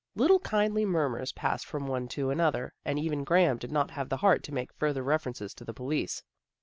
Little kindly murmurs passed from one to another, and even Graham did not have the heart to make further references to the police.